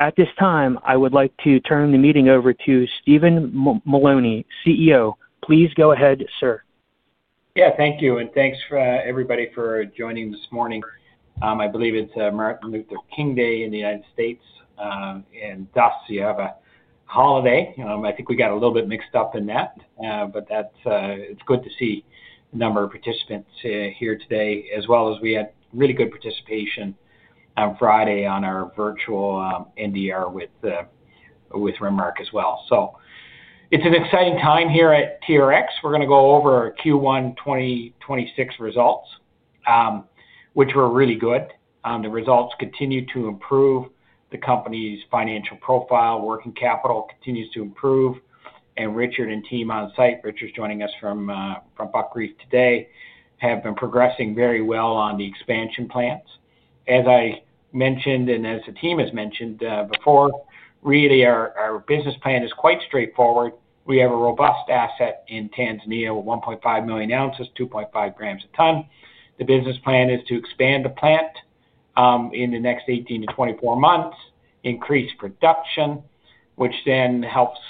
At this time, I would like to turn the meeting over to Stephen Mullowney, CEO. Please go ahead, sir. Yeah, thank you, and thanks for everybody for joining this morning. I believe it's Martin Luther King Jr. Day in the United States, and thus you have a holiday. I think we got a little bit mixed up in that, but it's good to see a number of participants here today, as well as we had really good participation on Friday on our virtual NDR with Renmark as well. So it's an exciting time here at TRX. We're going to go over Q1 2026 Results, which were really good. The results continue to improve the company's financial profile. Working capital continues to improve, and Richard and team on site, Richard's joining us from Buckreef today, have been progressing very well on the expansion plans. As I mentioned, and as the team has mentioned before, really our business plan is quite straightforward. We have a robust asset in Tanzania, 1.5 million ounces, 2.5 grams a ton. The business plan is to expand the plant in the next 18-24 months, increase production, which then helps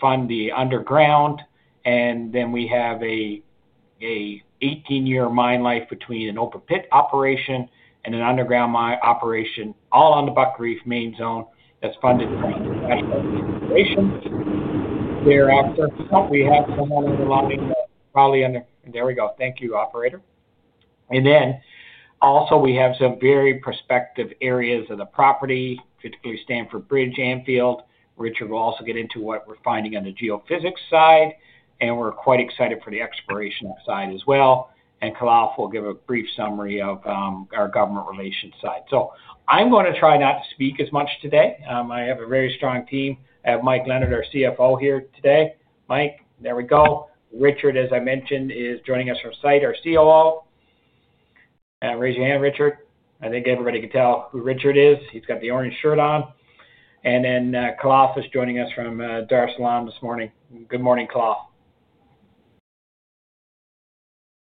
fund the underground, and then we have an 18-year mine life between an open pit operation and an underground mine operation, all on the Buckreef Main Zone that's funded from the investment of the operation. Thereafter, we have some more underlying. And then also we have some very prospective areas of the property, particularly Stanford Bridge, Anfield. Richard will also get into what we're finding on the geophysics side, and we're quite excited for the exploration side as well. And Khalaf will give a brief summary of our government relations side. So I'm going to try not to speak as much today. I have a very strong team. I have Mike Leonard, our CFO, here today. Mike, there we go. Richard, as I mentioned, is joining us from site, our COO. Raise your hand, Richard. I think everybody can tell who Richard is. He's got the orange shirt on, and then Khalaf is joining us from Dar es Salaam this morning. Good morning, Khalaf,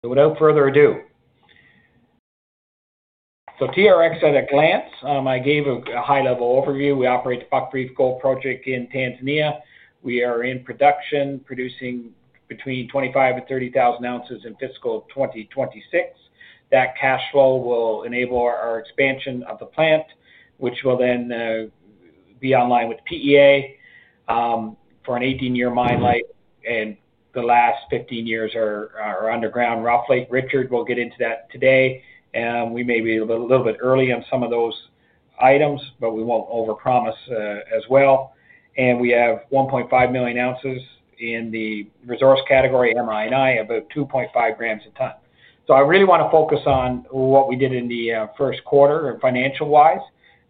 so without further ado, so TRX at a glance, I gave a high-level overview. We operate the Buckreef Gold Project in Tanzania. We are in production, producing between 25,000 and 30,000 ounces in fiscal 2026. That cash flow will enable our expansion of the plant, which will then be online with PEA for an 18-year mine life, and the last 15 years are underground roughly. Richard will get into that today. We may be a little bit early on some of those items, but we won't overpromise as well. And we have 1.5 million ounces in the resource category, M&I, about 2.5 grams a ton. So I really want to focus on what we did in the first quarter financial-wise,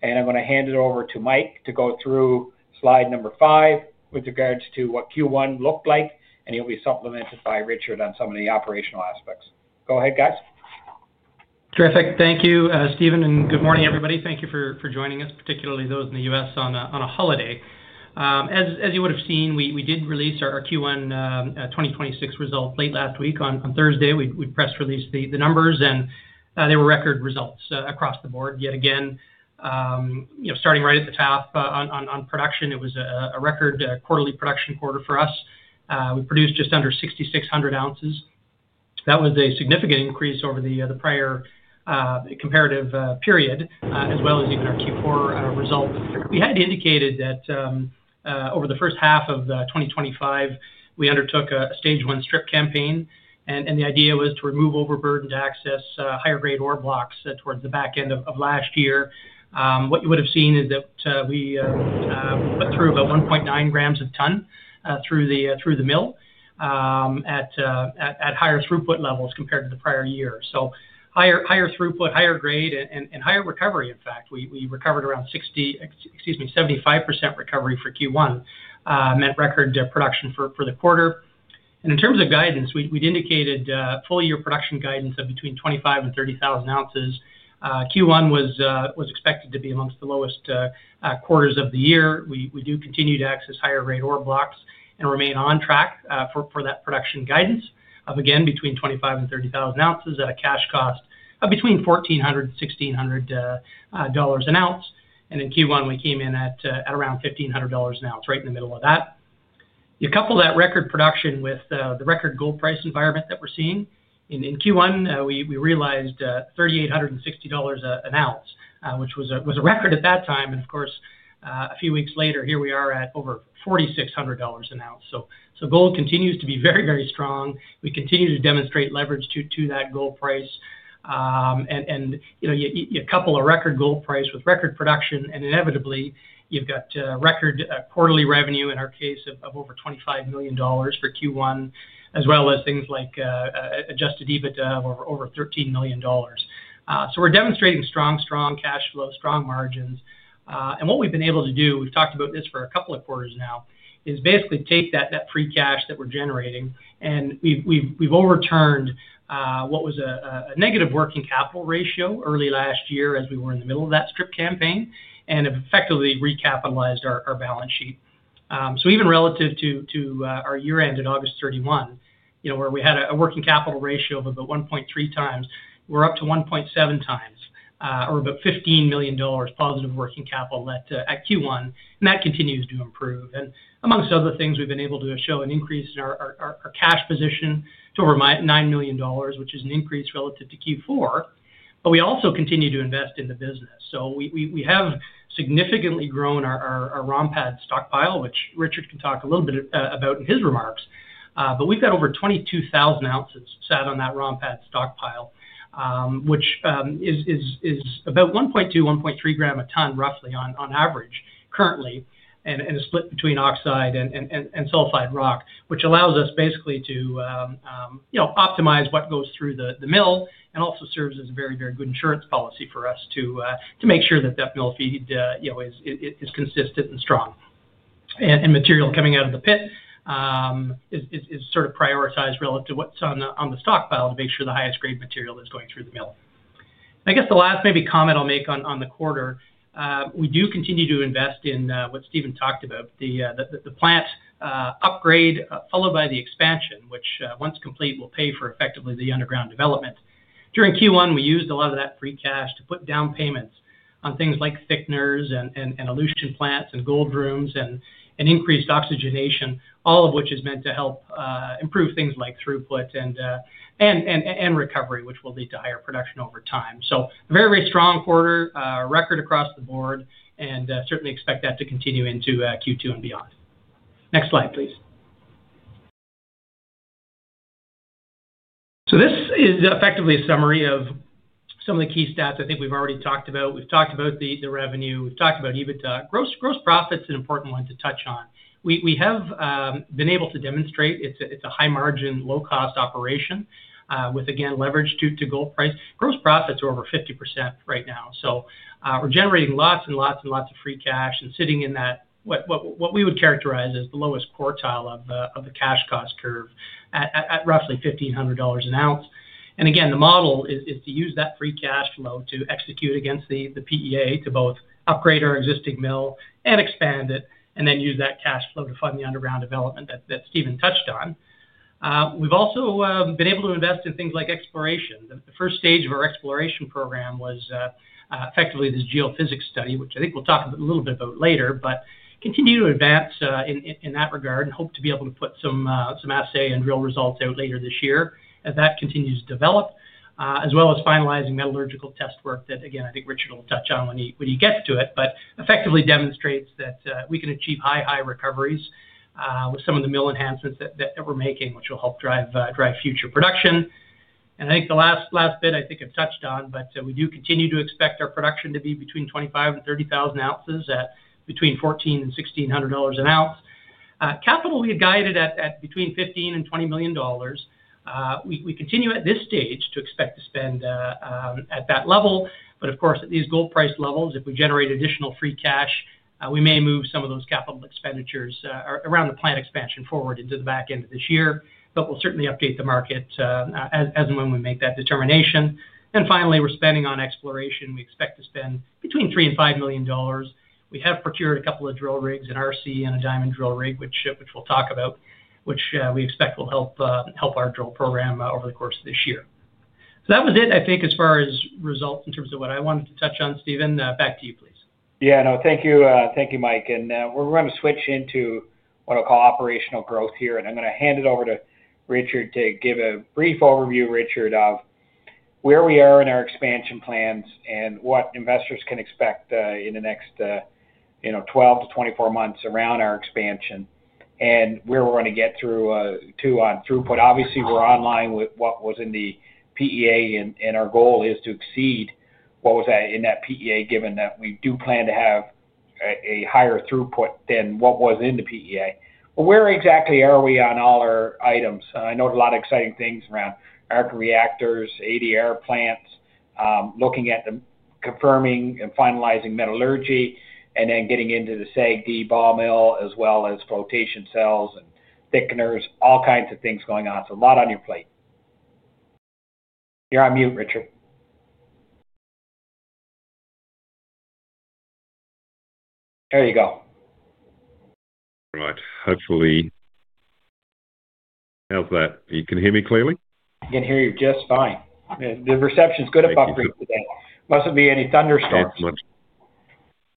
and I'm going to hand it over to Mike to go through slide number five with regards to what Q1 looked like, and he'll be supplemented by Richard on some of the operational aspects. Go ahead, guys. Terrific. Thank you, Stephen, and good morning, everybody. Thank you for joining us, particularly those in the U.S. on a holiday. As you would have seen, we did release our Q1 2026 results late last week on Thursday. We press released the numbers, and they were record results across the board. Yet again, starting right at the top on production, it was a record quarterly production quarter for us. We produced just under 6,600 ounces. That was a significant increase over the prior comparative period, as well as even our Q4 result. We had indicated that over the first half of 2025, we undertook a stage one strip campaign, and the idea was to remove overburden to access higher grade ore blocks towards the back end of last year. What you would have seen is that we put through about 1.9 grams a ton through the mill at higher throughput levels compared to the prior year. So higher throughput, higher grade, and higher recovery. In fact, we recovered around 60, excuse me, 75% recovery for Q1 meant record production for the quarter. And in terms of guidance, we'd indicated full year production guidance of between 25,000 and 30,000 ounces. Q1 was expected to be amongst the lowest quarters of the year. We do continue to access higher grade ore blocks and remain on track for that production guidance of, again, between 25,000 and 30,000 ounces at a cash cost of between $1,400 and $1,600 an ounce. And in Q1, we came in at around $1,500 an ounce, right in the middle of that. You couple that record production with the record gold price environment that we're seeing. In Q1, we realized $3,860 an ounce, which was a record at that time, and of course, a few weeks later, here we are at over $4,600 an ounce, so gold continues to be very, very strong. We continue to demonstrate leverage to that gold price. And you couple a record gold price with record production, and inevitably, you've got record quarterly revenue, in our case, of over $25 million for Q1, as well as things like adjusted EBITDA of over $13 million. So we're demonstrating strong, strong cash flow, strong margins. And what we've been able to do, we've talked about this for a couple of quarters now, is basically take that free cash that we're generating, and we've overturned what was a negative working capital ratio early last year as we were in the middle of that strip campaign and have effectively recapitalized our balance sheet. Even relative to our year-end in August 31, where we had a working capital ratio of about 1.3 times, we're up to 1.7 times, or about $15 million positive working capital at Q1, and that continues to improve. Amongst other things, we've been able to show an increase in our cash position to over $9 million, which is an increase relative to Q4. We also continue to invest in the business. We have significantly grown our ROM pad stockpile, which Richard can talk a little bit about in his remarks, but we've got over 22,000 ounces sat on that ROM pad stockpile, which is about 1.2-1.3 grams per ton, roughly, on average currently, and a split between oxide and sulfide rock, which allows us basically to optimize what goes through the mill and also serves as a very, very good insurance policy for us to make sure that that mill feed is consistent and strong. Material coming out of the pit is sort of prioritized relative to what's on the stockpile to make sure the highest grade material is going through the mill. I guess the last maybe comment I'll make on the quarter, we do continue to invest in what Stephen talked about, the plant upgrade followed by the expansion, which once complete will pay for effectively the underground development. During Q1, we used a lot of that free cash to put down payments on things like thickeners and elution plants and gold rooms and increased oxygenation, all of which is meant to help improve things like throughput and recovery, which will lead to higher production over time, so a very, very strong quarter, record across the board, and certainly expect that to continue into Q2 and beyond. Next slide, please, so this is effectively a summary of some of the key stats I think we've already talked about. We've talked about the revenue. We've talked about EBITDA. Gross profit's an important one to touch on. We have been able to demonstrate it's a high-margin, low-cost operation with, again, leverage to gold price. Gross profits are over 50% right now, so we're generating lots and lots and lots of free cash and sitting in that what we would characterize as the lowest quartile of the cash cost curve at roughly $1,500 an ounce, and again, the model is to use that free cash flow to execute against the PEA to both upgrade our existing mill and expand it, and then use that cash flow to fund the underground development that Stephen touched on. We've also been able to invest in things like exploration. The first stage of our exploration program was effectively this geophysics study, which I think we'll talk a little bit about later, but continue to advance in that regard and hope to be able to put some assay and real results out later this year as that continues to develop, as well as finalizing metallurgical test work that, again, I think Richard will touch on when he gets to it, but effectively demonstrates that we can achieve high, high recoveries with some of the mill enhancements that we're making, which will help drive future production, and I think the last bit I think I've touched on, but we do continue to expect our production to be between 25,000 and 30,000 ounces at between $1,400 and $1,600 an ounce. Capital we had guided at between $15 million and $20 million. We continue at this stage to expect to spend at that level, but of course, at these gold price levels, if we generate additional free cash, we may move some of those capital expenditures around the plant expansion forward into the back end of this year, but we'll certainly update the market as and when we make that determination, and finally, we're spending on exploration. We expect to spend between $3 million and $5 million. We have procured a couple of drill rigs in RC and a diamond drill rig, which we'll talk about, which we expect will help our drill program over the course of this year, so that was it, I think, as far as results in terms of what I wanted to touch on, Stephen. Back to you, please. Yeah, no, thank you, Mike. And we're going to switch into what I'll call operational growth here, and I'm going to hand it over to Richard to give a brief overview, Richard, of where we are in our expansion plans and what investors can expect in the next 12-24 months around our expansion and where we're going to get through to on throughput. Obviously, we're online with what was in the PEA, and our goal is to exceed what was in that PEA given that we do plan to have a higher throughput than what was in the PEA. But where exactly are we on all our items? I know a lot of exciting things around Aachen reactors, ADR plants, looking at confirming and finalizing metallurgy, and then getting into the SAG and ball mill, as well as flotation cells and thickeners, all kinds of things going on. So a lot on your plate. You're on mute, Richard. There you go. Right. Hopefully, how's that? You can hear me clearly? I can hear you just fine. The reception's good at Buckreef today. Mustn't be any thunderstorms.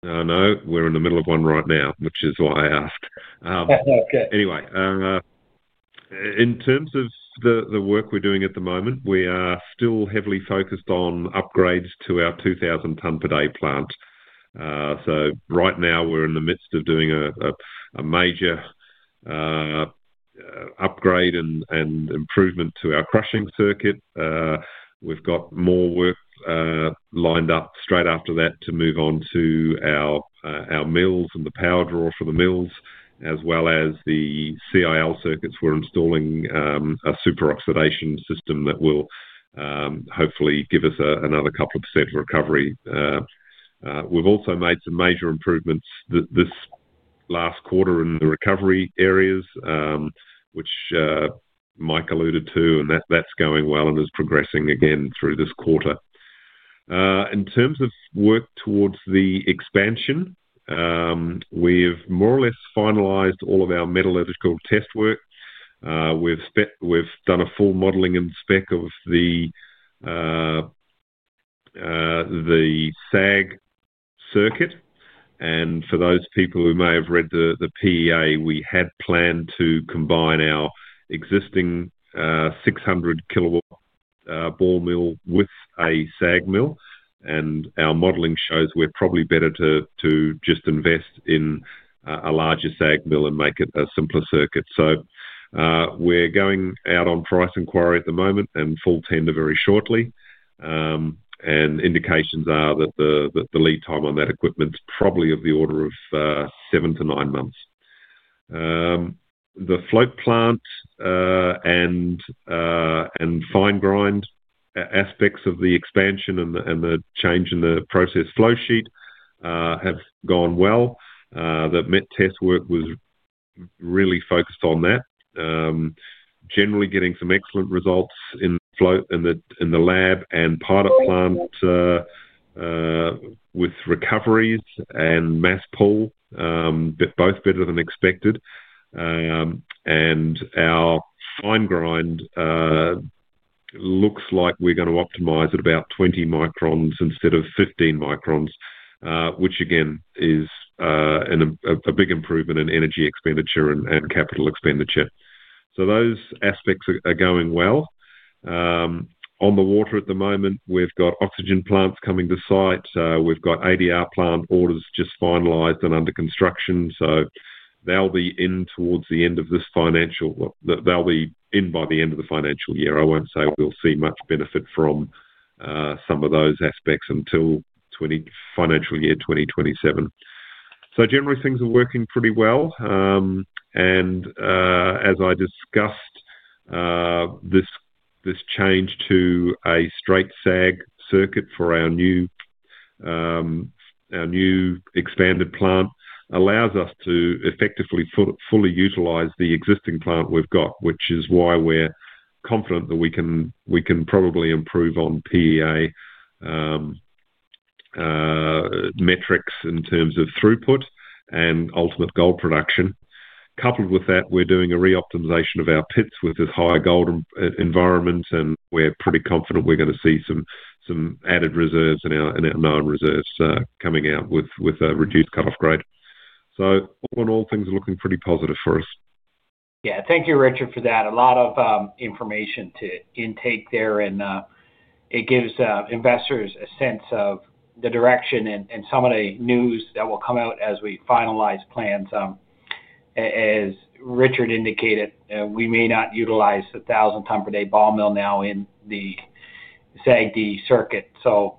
No, no. We're in the middle of one right now, which is why I asked. Anyway, in terms of the work we're doing at the moment, we are still heavily focused on upgrades to our 2,000-ton per day plant. So right now, we're in the midst of doing a major upgrade and improvement to our crushing circuit. We've got more work lined up straight after that to move on to our mills and the power draw for the mills, as well as the CIL circuits. We're installing a super oxidation system that will hopefully give us another couple of % recovery. We've also made some major improvements this last quarter in the recovery areas, which Mike alluded to, and that's going well and is progressing again through this quarter. In terms of work towards the expansion, we've more or less finalized all of our metallurgical test work. We've done a full modeling and spec of the SAG circuit. And for those people who may have read the PEA, we had planned to combine our existing 600-kilowatt ball mill with a SAG mill, and our modeling shows we're probably better to just invest in a larger SAG mill and make it a simpler circuit. So we're going out on price inquiry at the moment and full tender very shortly. And indications are that the lead time on that equipment is probably of the order of seven to nine months. The float plant and fine grind aspects of the expansion and the change in the process flow sheet have gone well. The metallurgical test work was really focused on that, generally getting some excellent results in the lab and pilot plant with recoveries and mass pull, both better than expected. Our fine grind looks like we're going to optimize at about 20 microns instead of 15 microns, which again is a big improvement in energy expenditure and capital expenditure. So those aspects are going well. On the water at the moment, we've got oxygen plants coming to site. We've got ADR plant orders just finalized and under construction. So they'll be in towards the end of this financial year by the end of the financial year. I won't say we'll see much benefit from some of those aspects until financial year 2027. So generally, things are working pretty well. And as I discussed, this change to a straight SAG circuit for our new expanded plant allows us to effectively fully utilize the existing plant we've got, which is why we're confident that we can probably improve on PEA metrics in terms of throughput and ultimate gold production. Coupled with that, we're doing a reoptimization of our pits with this higher gold environment, and we're pretty confident we're going to see some added reserves and our non-reserves coming out with a reduced cut-off grade. So all in all, things are looking pretty positive for us. Yeah. Thank you, Richard, for that. A lot of information to intake there, and it gives investors a sense of the direction and some of the news that will come out as we finalize plans. As Richard indicated, we may not utilize the 1,000-ton per day ball mill now in the SAG-D circuit. So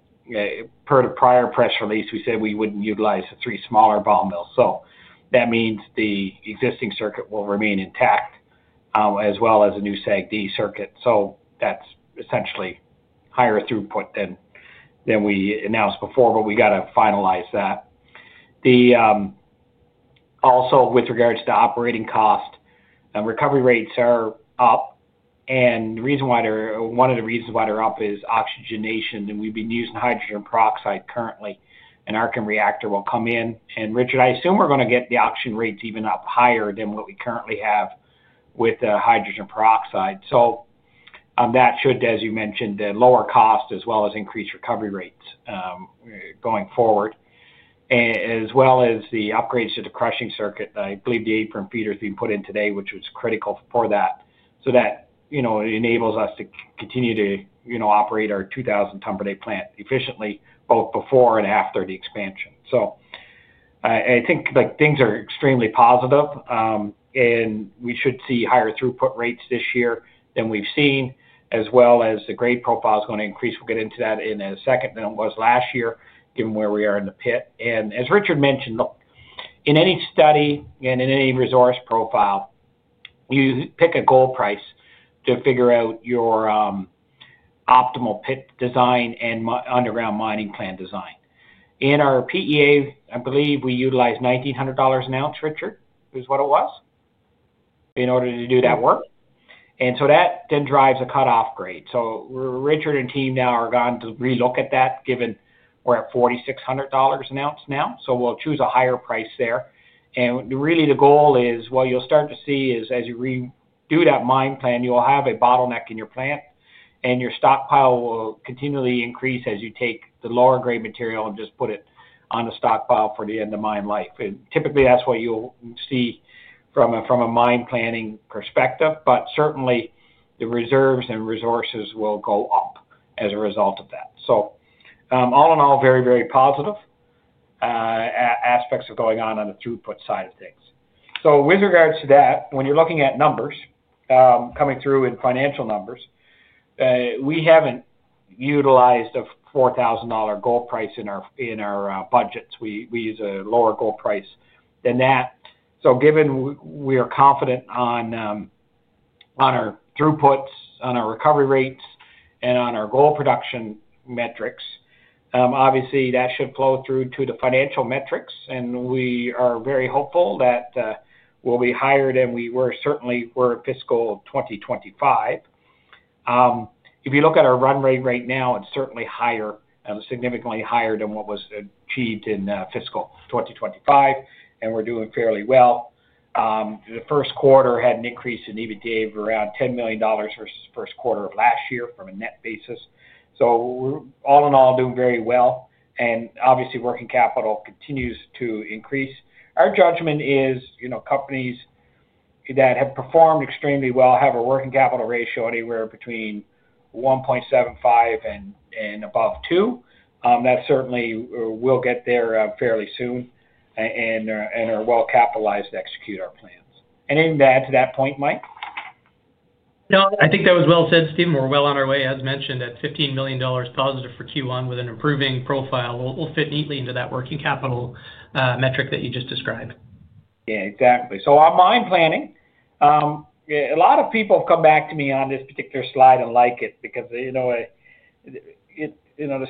per the prior press release, we said we wouldn't utilize the three smaller ball mills. So that means the existing circuit will remain intact as well as a new SAG-D circuit. So that's essentially higher throughput than we announced before, but we got to finalize that. Also, with regards to operating cost, recovery rates are up, and one of the reasons why they're up is oxygenation. And we've been using hydrogen peroxide currently, and Aachen Reactor will come in. And Richard, I assume we're going to get the oxygen rates even up higher than what we currently have with hydrogen peroxide. So that should, as you mentioned, lower cost as well as increase recovery rates going forward, as well as the upgrades to the crushing circuit. I believe the apron feeders being put in today, which was critical for that, so that enables us to continue to operate our 2,000-ton per day plant efficiently, both before and after the expansion. So I think things are extremely positive, and we should see higher throughput rates this year than we've seen, as well as the grade profile is going to increase. We'll get into that in a second than it was last year, given where we are in the pit. As Richard mentioned, in any study and in any resource profile, you pick a gold price to figure out your optimal pit design and underground mining plan design. In our PEA, I believe we utilized $1,900 an ounce. Richard, is what it was, in order to do that work. And so that then drives a cut-off grade. So Richard and team now are going to relook at that, given we're at $4,600 an ounce now. So we'll choose a higher price there. And really, the goal is, what you'll start to see is, as you redo that mine plan, you'll have a bottleneck in your plant, and your stockpile will continually increase as you take the lower grade material and just put it on the stockpile for the end of mine life. Typically, that's what you'll see from a mine planning perspective, but certainly, the reserves and resources will go up as a result of that. All in all, very, very positive aspects are going on on the throughput side of things. With regards to that, when you're looking at numbers coming through in financial numbers, we haven't utilized a $4,000 gold price in our budgets. We use a lower gold price than that. Given we are confident on our throughputs, on our recovery rates, and on our gold production metrics, obviously, that should flow through to the financial metrics, and we are very hopeful that we'll be higher than we certainly were in fiscal 2025. If you look at our run rate right now, it's certainly higher, significantly higher than what was achieved in fiscal 2025, and we're doing fairly well. The first quarter had an increase in EBITDA of around $10 million versus the first quarter of last year from a net basis. So we're all in all doing very well, and obviously, working capital continues to increase. Our judgment is companies that have performed extremely well have a working capital ratio anywhere between 1.75 and above 2. That certainly will get there fairly soon and are well capitalized to execute our plans. Anything to add to that point, Mike? No, I think that was well said, Stephen. We're well on our way, as mentioned, at $15 million positive for Q1 with an improving profile. It will fit neatly into that working capital metric that you just described. Yeah, exactly. So on mine planning, a lot of people have come back to me on this particular slide and like it because the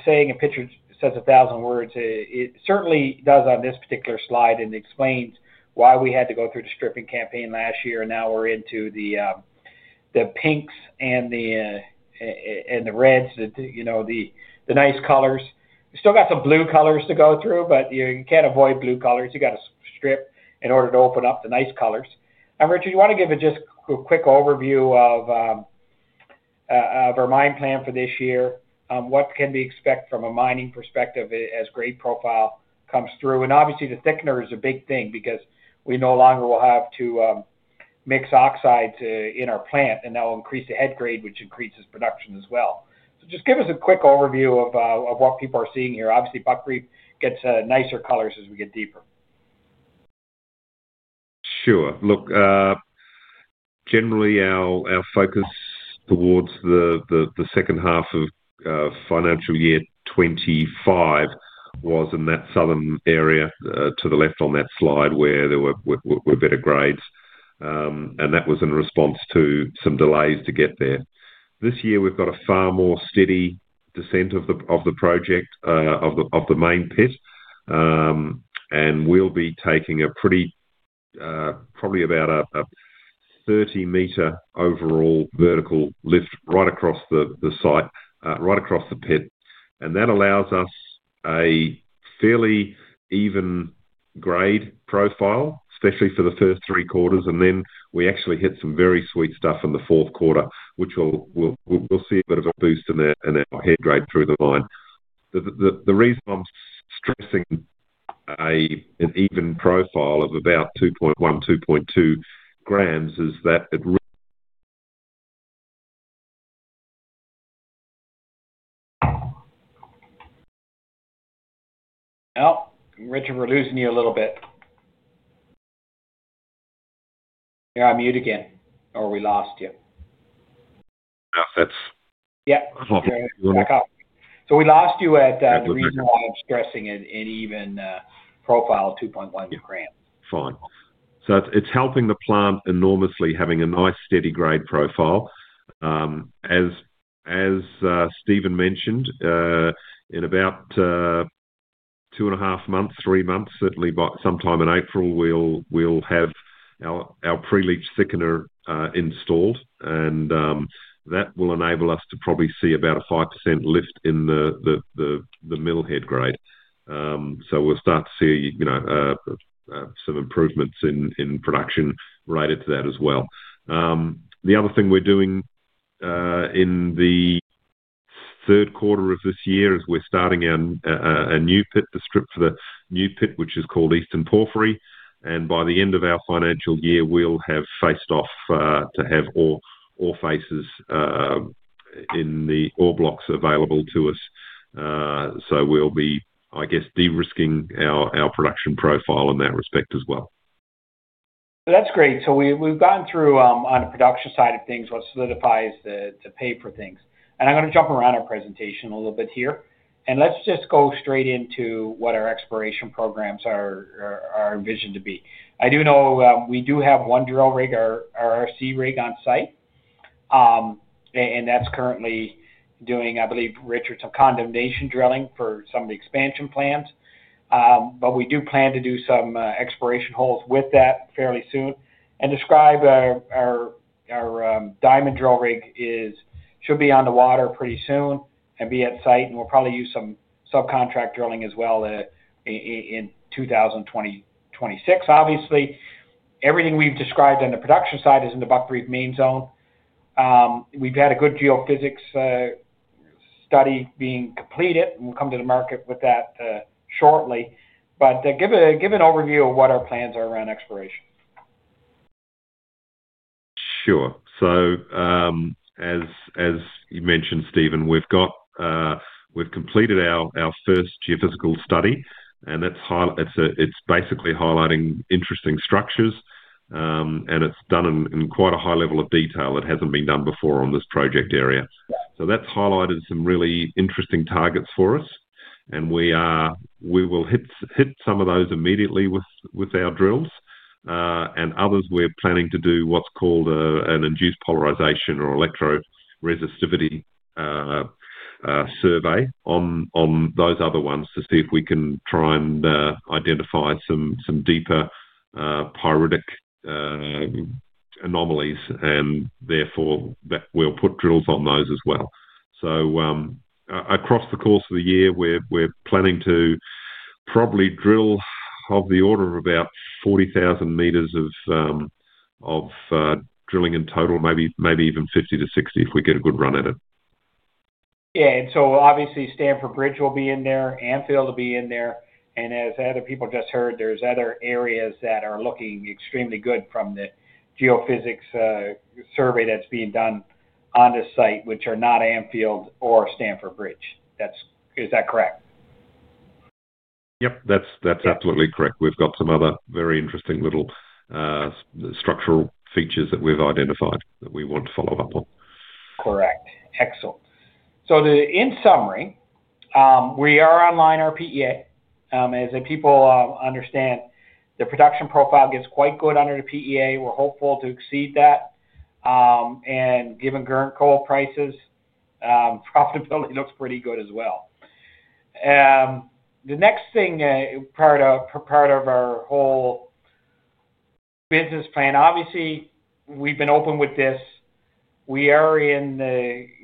saying, "A picture says a thousand words," it certainly does on this particular slide and explains why we had to go through the stripping campaign last year, and now we're into the pinks and the reds, the nice colors. We still got some blue colors to go through, but you can't avoid blue colors. You got to strip in order to open up the nice colors. Now, Richard, you want to give just a quick overview of our mine plan for this year, what can we expect from a mining perspective as grade profile comes through? And obviously, the thickener is a big thing because we no longer will have to mix oxides in our plant, and that will increase the head grade, which increases production as well. So just give us a quick overview of what people are seeing here. Obviously, Buckreef gets nicer colors as we get deeper. Sure. Look, generally, our focus towards the second half of financial year 2025 was in that southern area to the left on that slide where there were better grades, and that was in response to some delays to get there. This year, we've got a far more steady descent of the project of the main pit, and we'll be taking a pretty probably about a 30-meter overall vertical lift right across the site, right across the pit. And that allows us a fairly even grade profile, especially for the first three quarters. And then we actually hit some very sweet stuff in the fourth quarter, which we'll see a bit of a boost in our head grade through the mine. The reason I'm stressing an even profile of about 2.1, 2.2 grams is that it. Oh, Richard, we're losing you a little bit. You're on mute again. Or we lost you? Yep. Yep. Back up. So we lost you at the reason why I'm stressing an even profile of 2.1 grams. Yeah. Fine. So it's helping the plant enormously, having a nice steady grade profile. As Stephen mentioned, in about two and a half months, three months, certainly sometime in April, we'll have our pre-leach thickener installed, and that will enable us to probably see about a 5% lift in the mill head grade. So we'll start to see some improvements in production related to that as well. The other thing we're doing in the third quarter of this year is we're starting a new pit, the strip for the new pit, which is called Eastern Porphyry. And by the end of our financial year, we'll have faced off to have all faces in the all blocks available to us. So we'll be, I guess, de-risking our production profile in that respect as well. That's great. So we've gone through on the production side of things what solidifies the paper things, and I'm going to jump around our presentation a little bit here, and let's just go straight into what our exploration programs are envisioned to be. I do know we do have one drill rig, our RC rig on site, and that's currently doing, I believe, Richard, some condemnation drilling for some of the expansion plans, but we do plan to do some exploration holes with that fairly soon, and our diamond drill rig should be on the water pretty soon and be at site, and we'll probably use some subcontract drilling as well in 2026. Obviously, everything we've described on the production side is in the Buckreef Main Zone. We've had a good geophysics study being completed, and we'll come to the market with that shortly. But give an overview of what our plans are around exploration. Sure. So as you mentioned, Stephen, we've completed our first geophysical study, and it's basically highlighting interesting structures, and it's done in quite a high level of detail that hasn't been done before on this project area. So that's highlighted some really interesting targets for us, and we will hit some of those immediately with our drills. And others, we're planning to do what's called an induced polarization or electro resistivity survey on those other ones to see if we can try and identify some deeper pyritic anomalies, and therefore, we'll put drills on those as well. So across the course of the year, we're planning to probably drill of the order of about 40,000 meters of drilling in total, maybe even 50,000-60,000 if we get a good run at it. Yeah. And so obviously, Stanford Bridge will be in there, Anfield will be in there. And as other people just heard, there's other areas that are looking extremely good from the geophysics survey that's being done on the site, which are not Anfield or Stanford Bridge. Is that correct? Yep. That's absolutely correct. We've got some other very interesting little structural features that we've identified that we want to follow up on. Correct. Excellent. So in summary, we are online. Our PEA. As people understand, the production profile gets quite good under the PEA. We're hopeful to exceed that. And given current gold prices, profitability looks pretty good as well. The next thing, part of our whole business plan, obviously, we've been open with this. We are in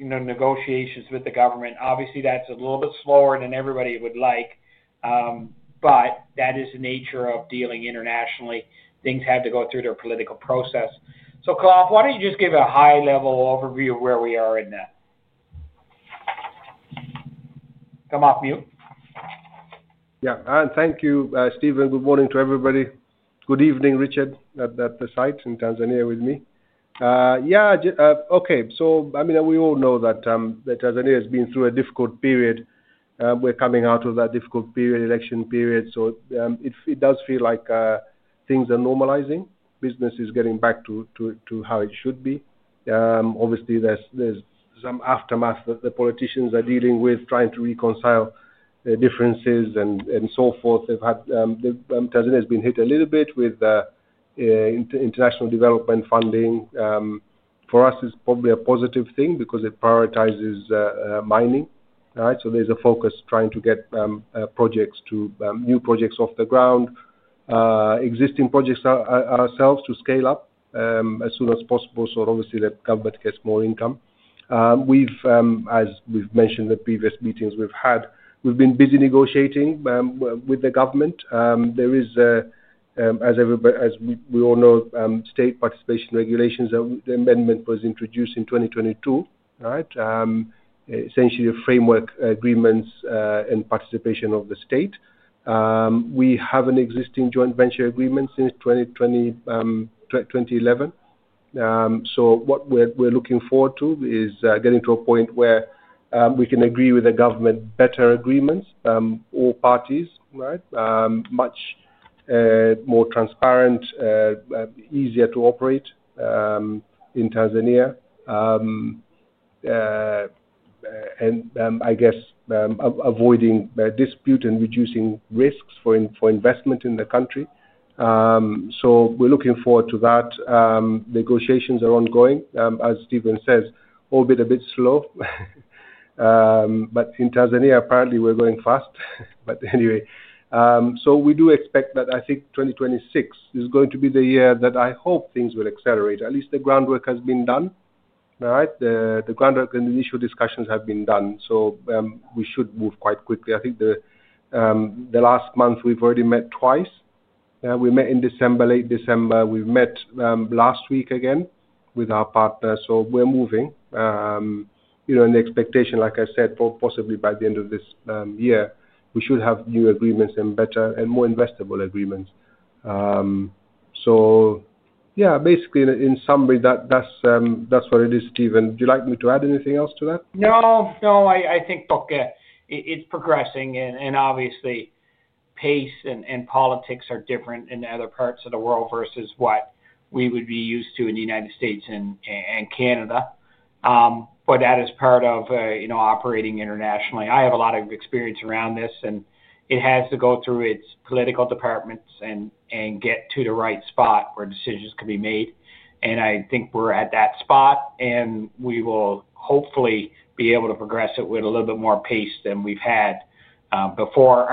negotiations with the government. Obviously, that's a little bit slower than everybody would like, but that is the nature of dealing internationally. Things have to go through their political process. So Khalaf, why don't you just give a high-level overview of where we are in that? Come off mute. Thank you, Stephen. Good morning to everybody. Good evening, Richard, at the site in Tanzania with me. Yeah. Okay. So, I mean, we all know that Tanzania has been through a difficult period. We're coming out of that difficult period, election period. So, it does feel like things are normalizing. Business is getting back to how it should be. Obviously, there's some aftermath that the politicians are dealing with, trying to reconcile differences and so forth. Tanzania has been hit a little bit with international development funding. For us, it's probably a positive thing because it prioritizes mining, right? So, there's a focus trying to get projects to new projects off the ground, existing projects ourselves to scale up as soon as possible. So, obviously, that government gets more income. As we've mentioned in previous meetings, we've been busy negotiating with the government. There is, as we all know, State Participation Regulations. The amendment was introduced in 2022, right? Essentially, framework agreements and participation of the state. We have an existing joint venture agreement since 2011, so what we're looking forward to is getting to a point where we can agree with the government better agreements, all parties, right? Much more transparent, easier to operate in Tanzania, and I guess avoiding dispute and reducing risks for investment in the country, so we're looking forward to that. Negotiations are ongoing. As Stephen says, a bit slow. But in Tanzania, apparently, we're going fast. But anyway, we do expect that. I think 2026 is going to be the year that I hope things will accelerate. At least the groundwork has been done, right? The groundwork and the initial discussions have been done, so we should move quite quickly. I think the last month, we've already met twice. We met in December, late December. We met last week again with our partner. So we're moving. And the expectation, like I said, possibly by the end of this year, we should have new agreements and better and more investable agreements. So yeah, basically, in summary, that's what it is, Stephen. Would you like me to add anything else to that? No. No. I think it's progressing. And obviously, pace and politics are different in other parts of the world versus what we would be used to in the United States and Canada. But that is part of operating internationally. I have a lot of experience around this, and it has to go through its political departments and get to the right spot where decisions can be made. And I think we're at that spot, and we will hopefully be able to progress it with a little bit more pace than we've had before.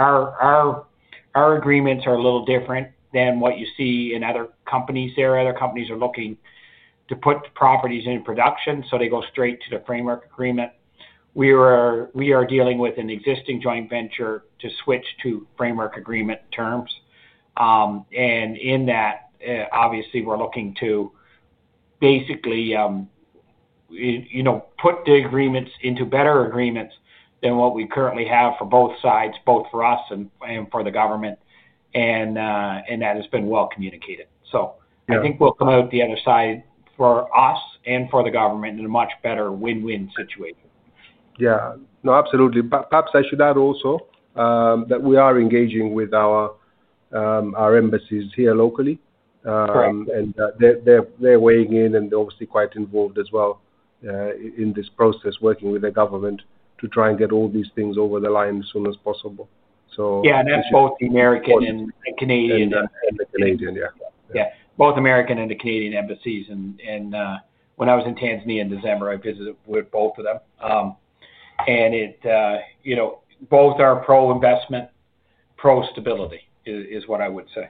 Our agreements are a little different than what you see in other companies there. Other companies are looking to put properties in production, so they go straight to the framework agreement. We are dealing with an existing joint venture to switch to framework agreement terms. And in that, obviously, we're looking to basically put the agreements into better agreements than what we currently have for both sides, both for us and for the government. And that has been well communicated. So I think we'll come out the other side for us and for the government in a much better win-win situation. Yeah. No, absolutely. Perhaps I should add also that we are engaging with our embassies here locally, and they're weighing in, and they're obviously quite involved as well in this process, working with the government to try and get all these things over the line as soon as possible. So. Yeah. And that's both the American and Canadian. And the Canadian. Yeah. Yeah. Both American and the Canadian embassies. When I was in Tanzania in December, I visited with both of them. Both are pro-investment, pro-stability, what I would say.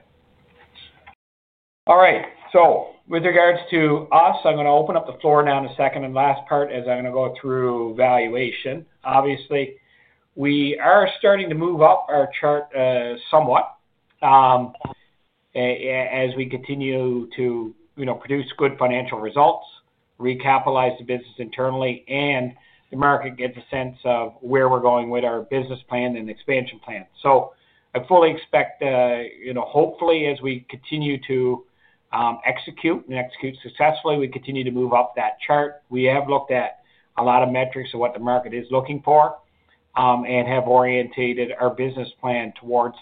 All right. With regards to us, I'm going to open up the floor now in a second and last part as I'm going to go through valuation. Obviously, we are starting to move up our chart somewhat as we continue to produce good financial results, recapitalize the business internally, and the market gets a sense of where we're going with our business plan and expansion plan. I fully expect, hopefully, as we continue to execute and execute successfully, we continue to move up that chart. We have looked at a lot of metrics of what the market is looking for and have orientated our business plan towards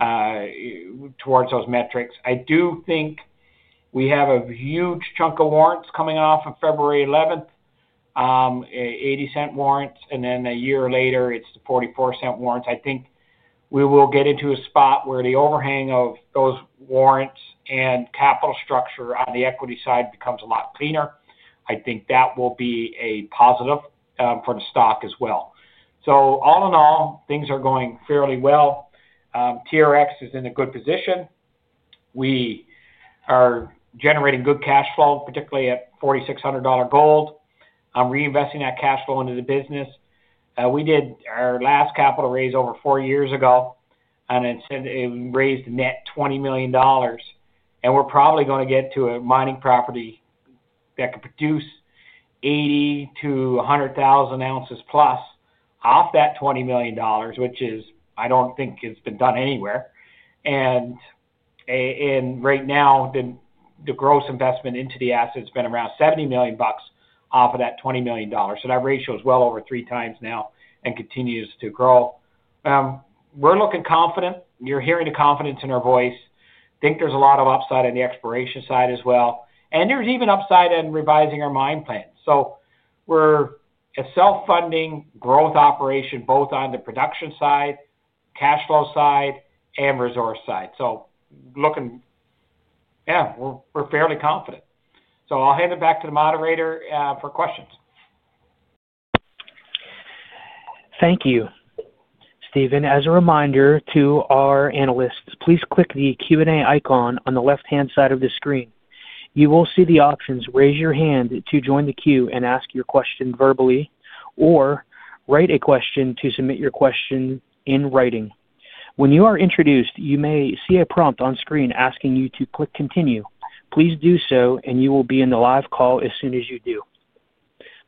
those metrics. I do think we have a huge chunk of warrants coming off of February 11th, $0.80 warrants, and then a year later, it's the $0.44 warrants. I think we will get into a spot where the overhang of those warrants and capital structure on the equity side becomes a lot cleaner. I think that will be a positive for the stock as well. So all in all, things are going fairly well. TRX is in a good position. We are generating good cash flow, particularly at $4,600 gold. I'm reinvesting that cash flow into the business. We did our last capital raise over four years ago, and it raised net $20 million. And we're probably going to get to a mining property that can produce 80-100,000 ounces plus off that $20 million, which I don't think has been done anywhere. And right now, the gross investment into the asset has been around $70 million off of that $20 million. So that ratio is well over three times now and continues to grow. We're looking confident. You're hearing the confidence in our voice. I think there's a lot of upside on the exploration side as well. And there's even upside in revising our mine plan. So we're a self-funding growth operation both on the production side, cash flow side, and resource side. So looking, yeah, we're fairly confident. So I'll hand it back to the moderator for questions. Thank you, Stephen. As a reminder to our analysts, please click the Q&A icon on the left-hand side of the screen. You will see the options: raise your hand to join the queue and ask your question verbally, or write a question to submit your question in writing. When you are introduced, you may see a prompt on screen asking you to click continue. Please do so, and you will be in the live call as soon as you do.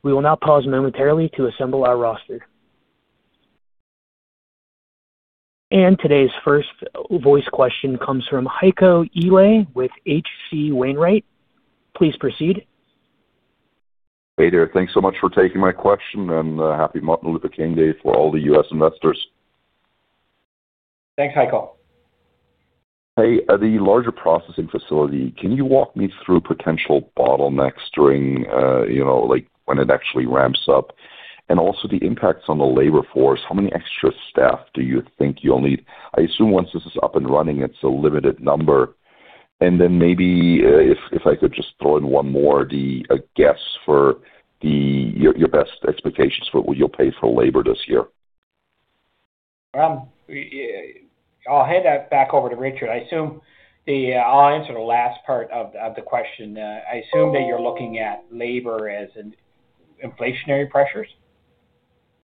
We will now pause momentarily to assemble our roster, and today's first voice question comes from Heiko Ihle with H.C. Wainwright. Please proceed. Hey there. Thanks so much for taking my question, and happy Martin Luther King Jr. Day for all the U.S. investors. Thanks, Heiko. Hey, at the larger processing facility, can you walk me through potential bottlenecks during when it actually ramps up? And also the impacts on the labor force. How many extra staff do you think you'll need? I assume once this is up and running, it's a limited number. And then maybe if I could just throw in one more, a guess for your best expectations for what you'll pay for labor this year? I'll hand that back over to Richard. I'll answer the last part of the question. I assume that you're looking at labor as inflationary pressures.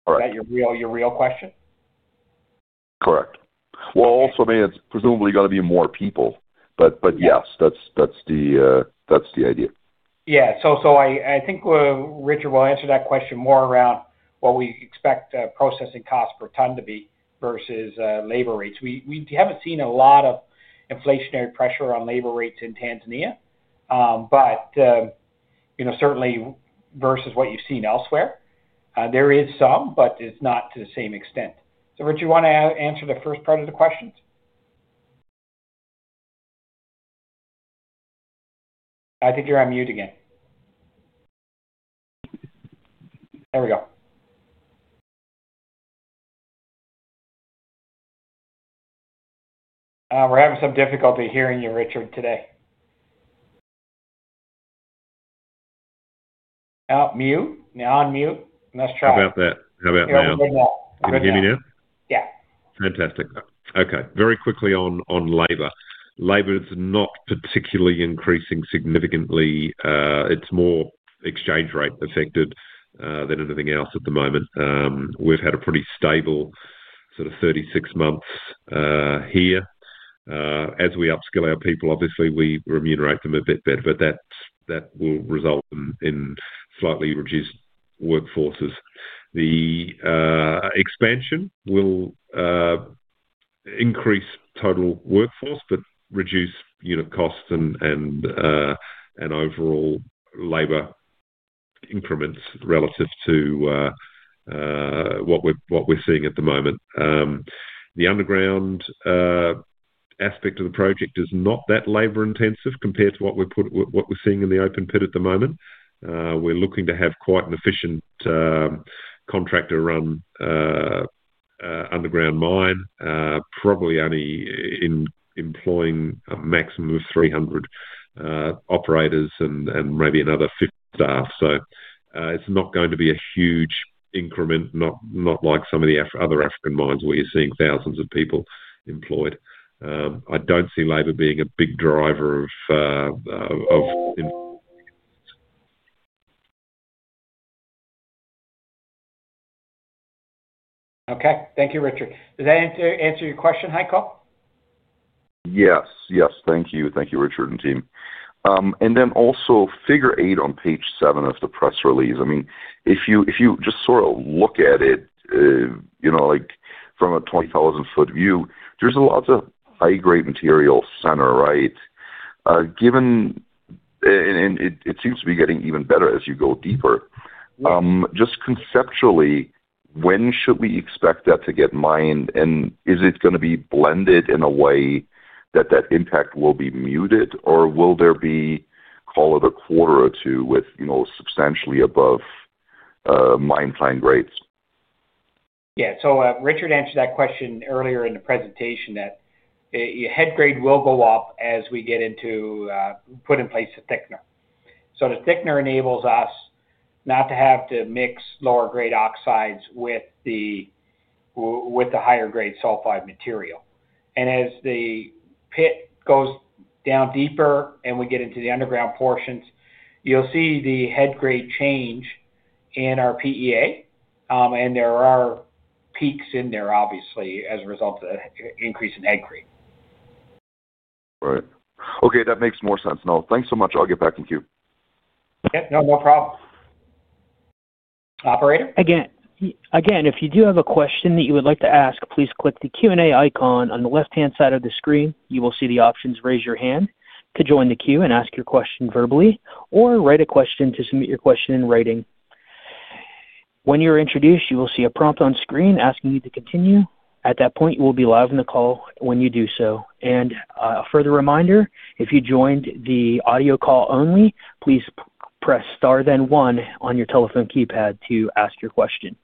Is that your real question? Correct. Well, also I mean, it's presumably going to be more people. But yes, that's the idea. Yeah. So I think Richard will answer that question more around what we expect processing costs per ton to be versus labor rates. We haven't seen a lot of inflationary pressure on labor rates in Tanzania, but certainly versus what you've seen elsewhere. There is some, but it's not to the same extent. So Richard, you want to answer the first part of the questions? I think you're on mute again. There we go. We're having some difficulty hearing you, Richard, today. Out of mute. Now on mute. Let's try. How about that? How about now? Yeah. We're good now. Can you hear me now? Yeah. Fantastic. Okay. Very quickly on labor. Labor is not particularly increasing significantly. It's more exchange rate affected than anything else at the moment. We've had a pretty stable sort of 36 months here. As we upskill our people, obviously, we remunerate them a bit better, but that will result in slightly reduced workforces. The expansion will increase total workforce but reduce costs and overall labor increments relative to what we're seeing at the moment. The underground aspect of the project is not that labor-intensive compared to what we're seeing in the open pit at the moment. We're looking to have quite an efficient contractor run underground mine, probably only employing a maximum of 300 operators and maybe another 50 staff. So it's not going to be a huge increment, not like some of the other African mines where you're seeing thousands of people employed. I don't see labor being a big driver of. Okay. Thank you, Richard. Does that answer your question, Heiko? Yes. Yes. Thank you. Thank you, Richard and team. And then also Figure 8 on page seven of the press release. I mean, if you just sort of look at it from a 20,000-foot view, there's a lot of high-grade material center, right? And it seems to be getting even better as you go deeper. Just conceptually, when should we expect that to get mined? And is it going to be blended in a way that that impact will be muted, or will there be, call it a quarter or two with substantially above mine plane grades? Yeah. So Richard answered that question earlier in the presentation that head grade will go up as we get the thickener put in place. So the thickener enables us not to have to mix lower-grade oxides with the higher-grade sulfide material. And as the pit goes down deeper and we get into the underground portions, you'll see the head grade change in our PEA. And there are peaks in there, obviously, as a result of the increase in head grade. Right. Okay. That makes more sense. No. Thanks so much. I'll get back in queue. Okay. No, no problem. Operator? Again, if you do have a question that you would like to ask, please click the Q&A icon on the left-hand side of the screen. You will see the options: raise your hand to join the queue and ask your question verbally, or write a question to submit your question in writing. When you're introduced, you will see a prompt on screen asking you to continue. At that point, you will be live in the call when you do so. And a further reminder, if you joined the audio call only, please press star then one on your telephone keypad to ask your question.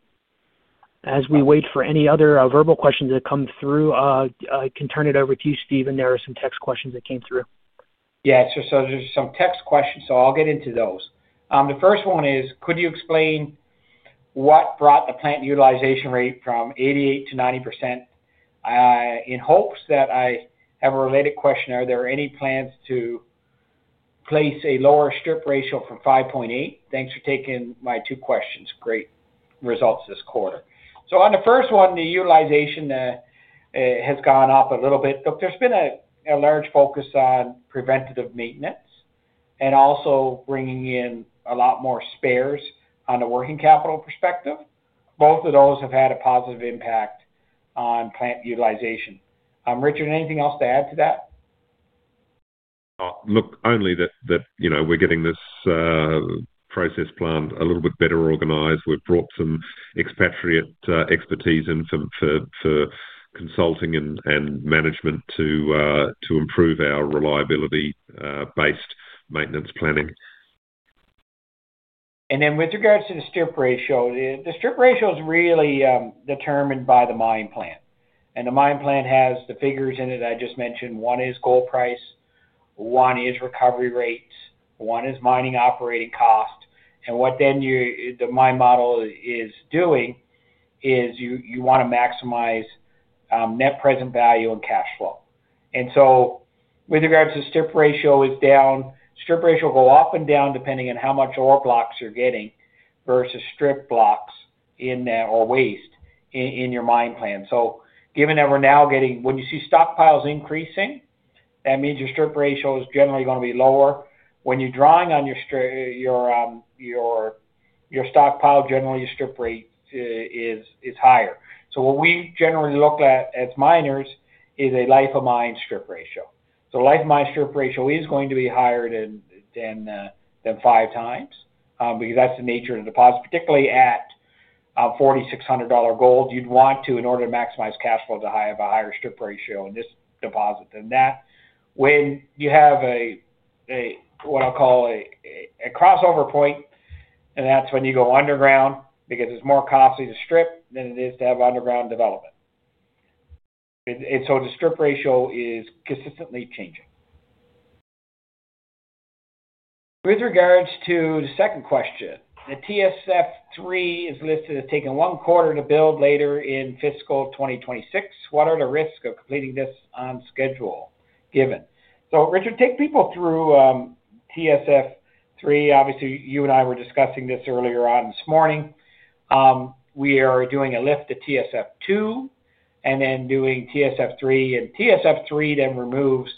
As we wait for any other verbal questions that come through, I can turn it over to you, Stephen. There are some text questions that came through. Yeah. So there's some text questions, so I'll get into those. The first one is, could you explain what brought the plant utilization rate from 88% to 90%? In hopes that I have a related question, are there any plans to place a lower strip ratio from 5.8? Thanks for taking my two questions. Great results this quarter. So on the first one, the utilization has gone up a little bit. Look, there's been a large focus on preventative maintenance and also bringing in a lot more spares on a working capital perspective. Both of those have had a positive impact on plant utilization. Richard, anything else to add to that? Look, only that we're getting this process planned a little bit better organized. We've brought some expatriate expertise in for consulting and management to improve our reliability-based maintenance planning. And then with regards to the strip ratio, the strip ratio is really determined by the mine plan. And the mine plan has the figures in it I just mentioned. One is gold price. One is recovery rates. One is mining operating cost. And what then the mine model is doing is you want to maximize net present value and cash flow. And so with regards to strip ratio is down, strip ratio will go up and down depending on how much ore blocks you're getting versus strip blocks or waste in your mine plan. So given that we're now getting when you see stockpiles increasing, that means your strip ratio is generally going to be lower. When you're drawing on your stockpile, generally your strip rate is higher. So what we generally look at as miners is a life-of-mine strip ratio. So life-of-mine strip ratio is going to be higher than five times because that's the nature of the deposit. Particularly at $4,600 gold, you'd want to, in order to maximize cash flow, have a higher strip ratio in this deposit than that. When you have what I'll call a crossover point, and that's when you go underground because it's more costly to strip than it is to have underground development. And so the strip ratio is consistently changing. With regards to the second question, the TSF-3 is listed as taking one quarter to build later in fiscal 2026. What are the risks of completing this on schedule given? So Richard, take people through TSF-3. Obviously, you and I were discussing this earlier on this morning. We are doing a lift to TSF-2 and then doing TSF-3. TSF-3 then removes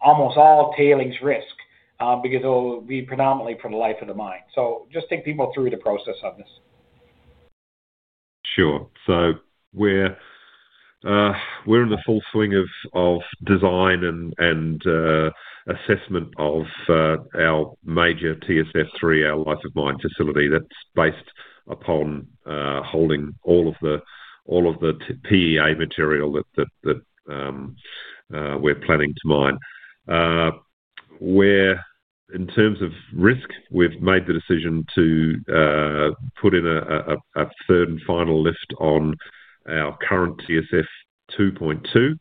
almost all tailings risk because it'll be predominantly for the life of the mine. Just take people through the process on this. Sure. So we're in the full swing of design and assessment of our major TSF-3, our life-of-mine facility that's based upon holding all of the PEA material that we're planning to mine. In terms of risk, we've made the decision to put in a third and final lift on our current TSF-2.2.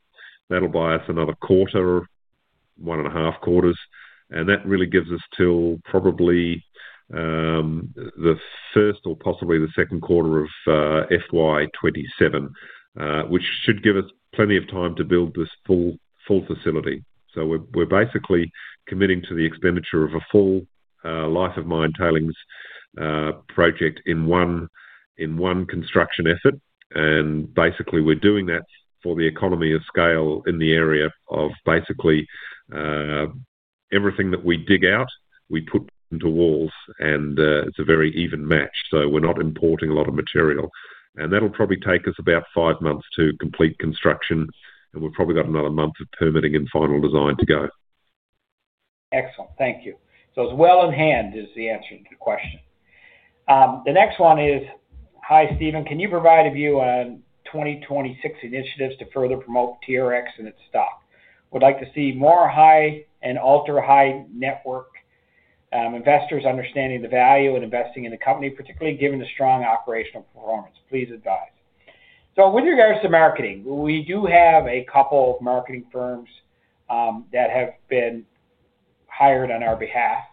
That'll buy us another quarter, one and a half quarters. And that really gives us till probably the first or possibly the second quarter of FY27, which should give us plenty of time to build this full facility. So we're basically committing to the expenditure of a full life-of-mine tailings project in one construction effort. And basically, we're doing that for the economy of scale in the area of basically everything that we dig out, we put into walls, and it's a very even match. So we're not importing a lot of material. That'll probably take us about five months to complete construction, and we've probably got another month of permitting and final design to go. Excellent. Thank you. So, it's well in hand is the answer to the question. The next one is, "Hi, Stephen. Can you provide a view on 2026 initiatives to further promote TRX and its stock? Would like to see more high- and ultra-high-net-worth investors understanding the value and investing in the company, particularly given the strong operational performance. Please advise." So with regards to marketing, we do have a couple of marketing firms that have been hired on our behalf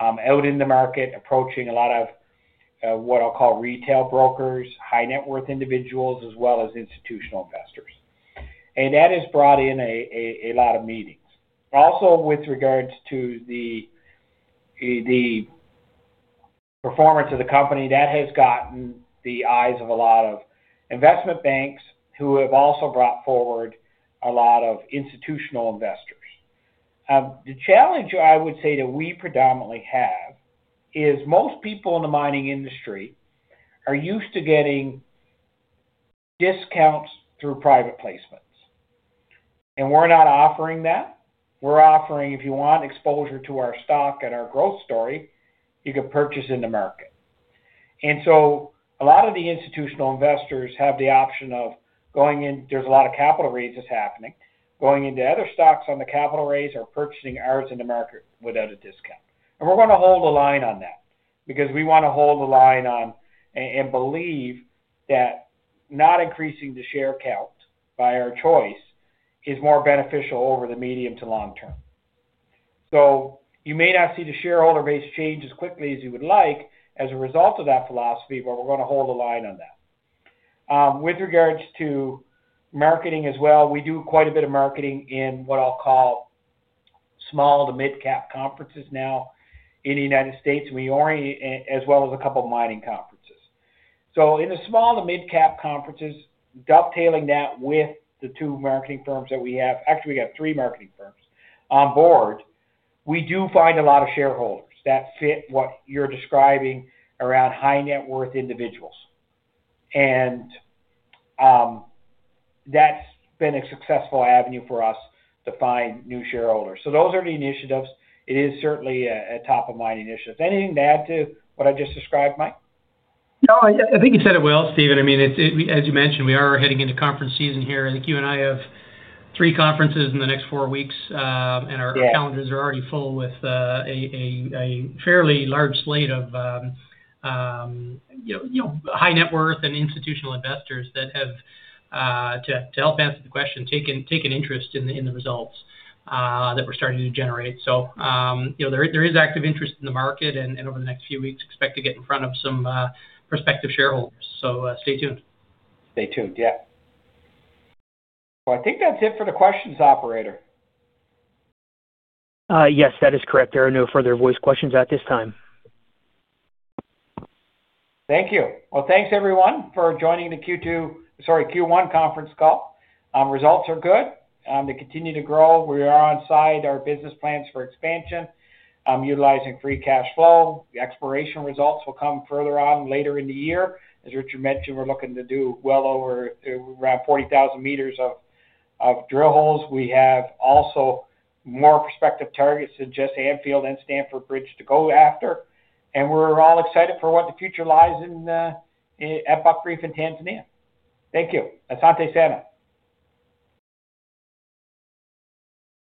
out in the market, approaching a lot of what I'll call retail brokers, high-net-worth individuals, as well as institutional investors, and that has brought in a lot of meetings. Also, with regards to the performance of the company, that has gotten the eyes of a lot of investment banks who have also brought forward a lot of institutional investors. The challenge I would say that we predominantly have is most people in the mining industry are used to getting discounts through private placements. And we're not offering that. We're offering, if you want exposure to our stock and our growth story, you can purchase in the market. And so a lot of the institutional investors have the option of going in, there's a lot of capital raises happening, going into other stocks on the capital raise or purchasing ours in the market without a discount. And we're going to hold a line on that because we want to hold a line on and believe that not increasing the share count by our choice is more beneficial over the medium to long term. So you may not see the shareholder base change as quickly as you would like as a result of that philosophy, but we're going to hold a line on that. With regards to marketing as well, we do quite a bit of marketing in what I'll call small to mid-cap conferences now in the United States, as well as a couple of mining conferences. So in the small to mid-cap conferences, dovetailing that with the two marketing firms that we have, actually, we have three marketing firms, on board, we do find a lot of shareholders that fit what you're describing around high-net-worth individuals. And that's been a successful avenue for us to find new shareholders. So those are the initiatives. It is certainly a top-of-mind initiative. Anything to add to what I just described, Mike? No, I think you said it well, Stephen. I mean, as you mentioned, we are heading into conference season here. I think you and I have three conferences in the next four weeks, and our calendars are already full with a fairly large slate of high-net-worth and institutional investors that have, to help answer the question, taken interest in the results that we're starting to generate. So there is active interest in the market, and over the next few weeks, expect to get in front of some prospective shareholders. So stay tuned. Stay tuned. Yeah. Well, I think that's it for the questions, Operator. Yes, that is correct. There are no further voice questions at this time. Thank you. Well, thanks, everyone, for joining the Q2—sorry, Q1 conference call. Results are good. They continue to grow. We are on track for our business plans for expansion, utilizing free cash flow. Exploration results will come further on later in the year. As Richard mentioned, we're looking to do well over around 40,000 meters of drill holes. We have also more prospective targets than just Anfield and Stanford Bridge to go after. And we're all excited for what the future lies in at Buckreef and Tanzania. Thank you. Asante sana.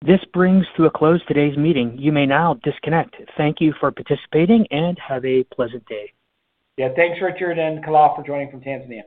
This brings to a close today's meeting. You may now disconnect. Thank you for participating and have a pleasant day. Yeah. Thanks, Richard, and Khalaf for joining from Tanzania.